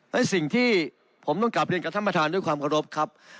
และสิ่งที่ผมต้องกลับเรียนกับท่านประธานด้วยความเคารพครับ